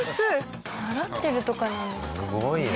習ってるとかなんですかね？